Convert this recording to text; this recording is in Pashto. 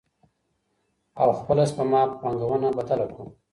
او خپله سپما په پانګونه بدله کړو.